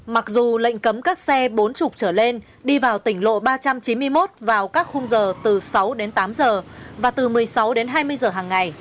mặc dù lệnh cấm các xe bốn mươi trở lên đi vào tỉnh lộ ba trăm chín mươi một vào các khung giờ từ sáu đến tám giờ và từ một mươi sáu đến hai mươi giờ hàng ngày